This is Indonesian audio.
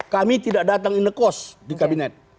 kami tidak datang in the cost di kabinet